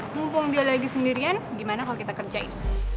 mumpung dia lagi sendirian gimana kalau kita kerjain